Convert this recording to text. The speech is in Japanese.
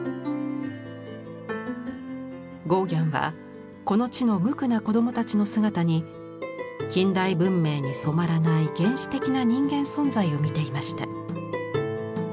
ゴーギャンはこの地のむくな子供たちの姿に近代文明に染まらない原始的な人間存在を見ていました。